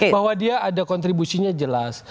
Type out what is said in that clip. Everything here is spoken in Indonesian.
bahwa dia ada kontribusinya jelas